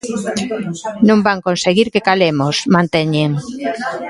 "Non van conseguir que calemos", manteñen.